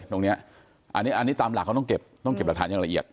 ตรงนี้อันนี้ตามหลักเขาต้องเก็บต้องเก็บหลักฐานอย่างละเอียด